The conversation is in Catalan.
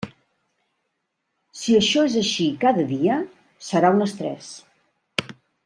Si això és així cada dia, serà un estrès.